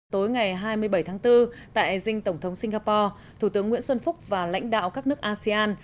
tối ngày hai mươi bảy tháng bốn tại dinh tổng thống singapore thủ tướng nguyễn xuân phúc và lãnh đạo các nước asean